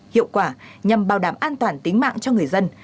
hiệu quả nhằm bảo đảm an toàn tính mạng cho người dân